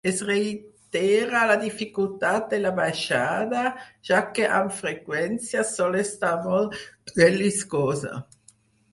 Es reitera la dificultat de la baixada, ja que amb freqüència sol estar molt relliscosa.